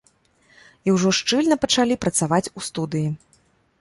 І ўжо шчыльна пачалі працаваць у студыі.